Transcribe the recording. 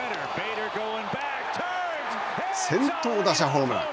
先頭打者ホームラン。